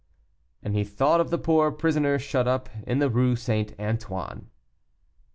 And he thought of the poor prisoner shut up in the Rue St. Antoine.